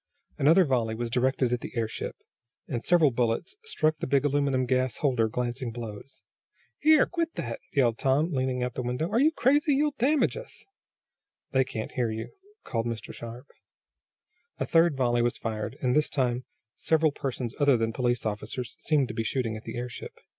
Another volley was directed at the airship, and several bullets struck the big aluminum gas holder glancing blows. "Here! Quit that!" yelled Tom, leaning out of the window. "Are you crazy? You'll damage us!" "They can't hear you," called Mr. Sharp. A third volley was fired, and this time several persons other than police officers seemed to be shooting at the airship.